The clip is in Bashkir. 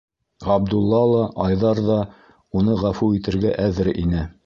Ғабдулла ла, Айҙар ҙа уны ғәфү итергә әҙер ине.